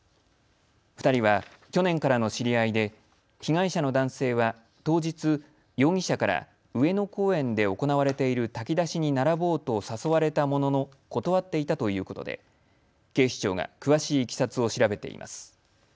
２人は去年からの知り合いで被害者の男性は当日、容疑者から上野公園で行われている炊き出しに並ぼうと誘われたものの断っていたということで警視庁が詳しいいきさつを調べています。